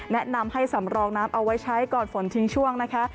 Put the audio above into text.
แนะนำให้สำรองน้ำเอาไว้ใช้ก่อนฝนทิ้งช่วงนะคะ